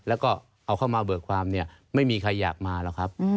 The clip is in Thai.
แล้วก็เอาเข้ามาเบิกความเนี่ยไม่มีใครอยากมาหรอกครับ